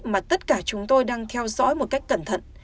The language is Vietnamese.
mà tất cả chúng tôi đang theo dõi một cách cẩn thận